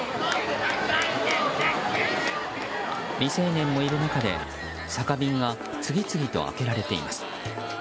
未成年もいる中で酒瓶が次々と空けられています。